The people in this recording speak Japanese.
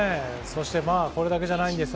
そして、これだけじゃないんです。